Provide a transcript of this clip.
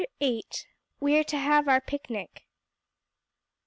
VIII "WE'RE TO HAVE OUR PICNIC!"